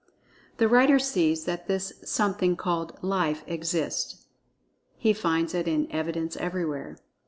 The writer sees that this something called "Life" exists—he finds it in evidence everywhere.